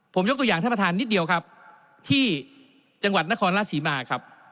ผมยกตัวอย่างท่านประธานนิดเดียวครับที่จังหวัดนครราชศรีมาครับ